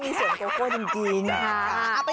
มีส่วนโกโก้จริงค่ะ